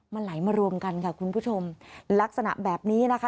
มันไหลมารวมกันค่ะคุณผู้ชมลักษณะแบบนี้นะคะ